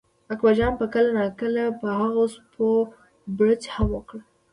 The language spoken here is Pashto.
اکبرجان به کله ناکله په هغو سپو بړچ هم وکړ.